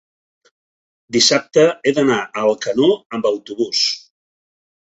dissabte he d'anar a Alcanó amb autobús.